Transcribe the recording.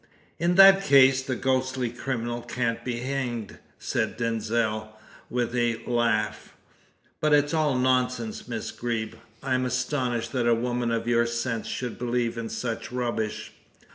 "In that case, the ghostly criminal can't be hanged," said Denzil, with a laugh. "But it's all nonsense, Miss Greeb. I am astonished that a woman of your sense should believe in such rubbish."